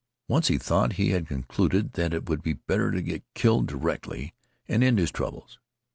Once he thought he had concluded that it would be better to get killed directly and end his troubles.